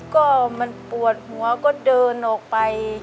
ก็มันปวดหัวก็เดินออกไป